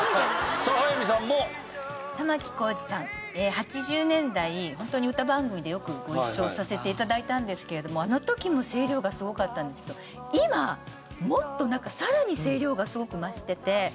８０年代ホントに歌番組でよくご一緒させて頂いたんですけれどもあの時も声量がすごかったんですけど今もっとなんかさらに声量がすごく増してて。